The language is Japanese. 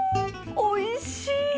おいしい！